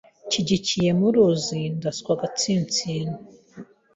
Nshyigikiye muruzi ndaswaAgatsinsino